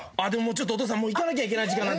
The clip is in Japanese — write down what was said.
ちょっとお父さんもう行かなきゃいけない時間で。